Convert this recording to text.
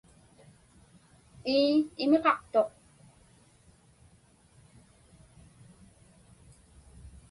Ii, imiqaqtuq.